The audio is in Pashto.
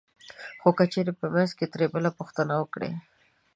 خو که چېرې په منځ کې ترې بل پوښتنه وکړي